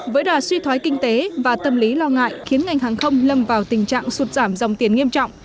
với đà suy thoái kinh tế và tâm lý lo ngại khiến ngành hàng không lâm vào tình trạng sụt giảm dòng tiền nghiêm trọng